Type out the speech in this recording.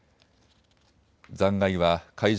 残骸は海上